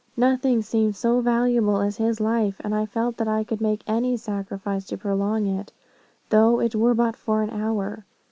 Nothing seemed so valuable as his life, and I felt that I could make any sacrifice to prolong it, though it were but for one hour.